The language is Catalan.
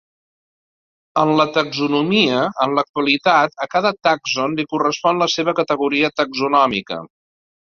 En la taxonomia en l'actualitat a cada tàxon li correspon la seva categoria taxonòmica.